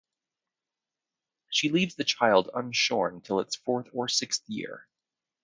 She leaves the child unshorn till its fourth or sixth year.